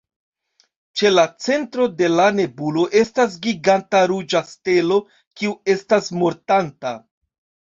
Ĉe la centro de la nebulo estas giganta ruĝa stelo, kiu estas mortanta.